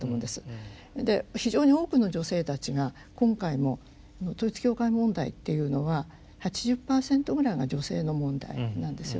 で非常に多くの女性たちが今回の統一教会問題っていうのは８０％ぐらいが女性の問題なんですよね。